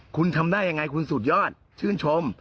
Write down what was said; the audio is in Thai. คุณทำได้ยังไงคุณสุดยอดชื่นชม